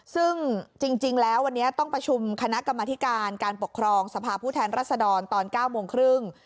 ซึ่งจริงแล้ววันนี้ต้องประชุมคณะกรรมธิการการปกครองสภาพผู้แทนรัศดรตอน๙โมงครึ่ง